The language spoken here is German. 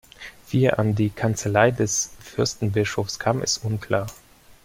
Wie er an die Kanzlei des Fürstbischofs kam, ist unklar.